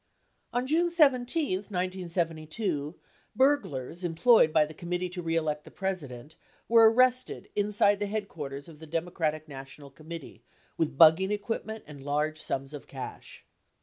On June 17, 1972, burglars employed by the Committee to Re Elect the President were arrested inside the headquarters of the Democratic National Committee with bugging equipment and large sums of cash.